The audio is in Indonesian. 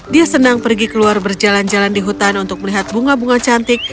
dia senang pergi keluar berjalan jalan di hutan untuk melihat bunga bunga cantik